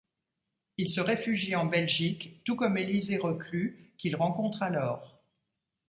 Il se réfugie en Belgique tout comme Élisée Reclus qu'il rencontre alors.